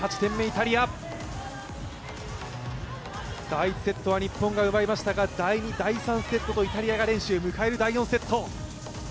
第１セットは日本が奪いましたが、第２、第３セットとイタリアが連取、迎える第４セット。